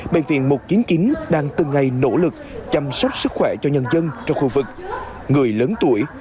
bệnh viện một trăm chín mươi chín đang từng ngày nỗ lực chăm sóc sức khỏe cho nhân dân trong khu vực người lớn tuổi